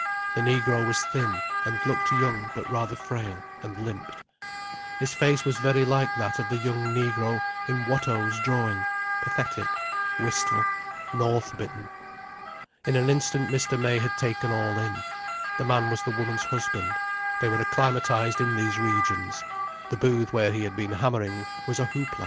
The negro was thin, and looked young but rather frail, and limped. His face was very like that of the young negro in Watteau's drawing—pathetic, wistful, north bitten. In an instant Mr. May had taken all in: the man was the woman's husband—they were acclimatized in these regions: the booth where he had been hammering was a Hoop La.